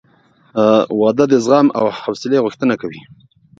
• واده د زغم او حوصلې غوښتنه کوي.